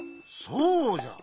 そうじゃ。